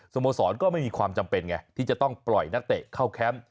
โมสรก็ไม่มีความจำเป็นไงที่จะต้องปล่อยนักเตะเข้าแคมป์